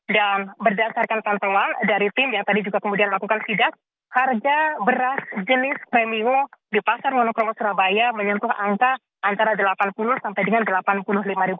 dan berdasarkan pantauan dari tim yang tadi juga kemudian melakukan sidat harga beras jenis premium di pasar wonok nomo surabaya menyentuh angka antara rp delapan puluh sampai dengan rp delapan puluh lima